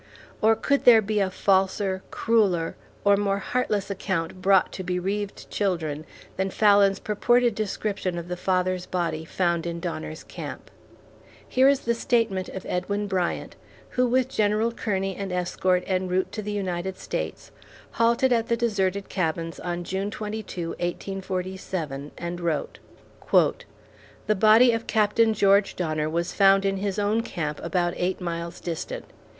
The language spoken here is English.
Or could there be a falser, crueler, or more heartless account brought to bereaved children than Fallon's purported description of the father's body found in Donner's Camp? Here is the statement of Edwin Bryant, who with General Kearney and escort, en route to the United States, halted at the deserted cabins on June 22, 1847, and wrote: The body of (Captain) George Donner was found in his own camp about eight miles distant.